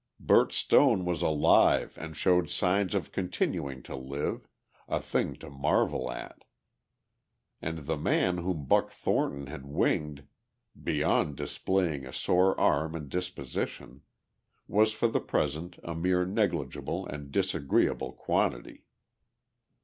Bert Stone was alive and showed signs of continuing to live, a thing to marvel at. And the man whom Buck Thornton had winged, beyond displaying a sore arm and disposition, was for the present a mere negligible and disagreeable quantity.